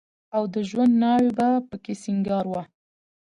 او د ژوند ناوې به په کې سينګار وه.